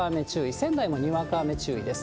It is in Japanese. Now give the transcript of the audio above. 仙台もにわか雨注意です。